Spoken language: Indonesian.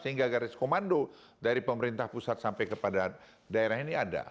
sehingga garis komando dari pemerintah pusat sampai kepada daerah ini ada